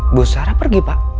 ibu sarah pergi pak